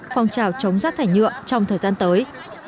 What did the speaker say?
phong trào chống rác thải nhựa trong thời gian tới